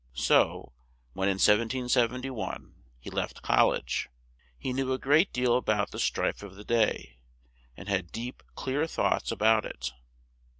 So, when in 1771 he left col lege, he knew a great deal a bout the strife of the day, and had deep, clear thoughts a bout it.